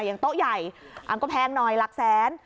อย่างโต๊ะใหญ่ก็แพงหน่อยหลักแสน